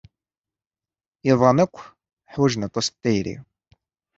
Iḍan akk ḥwajen aṭas n tayri.